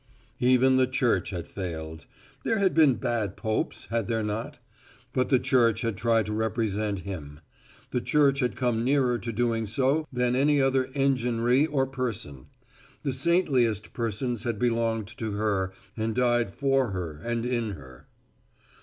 Even the Church had failed. There had been bad popes, had there not? But the Church had tried to represent Him. The Church had come nearer to doing so than any other enginery or person. The saintliest persons had belonged to her and died for her and in her.